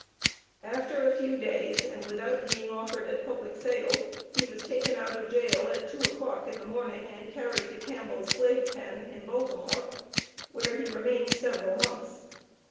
After a few days and without being offered at public sale, he was taken out of jail at two o'clock in the morning and carried to Campbell's slave pen, in Baltimore, where he remained several months.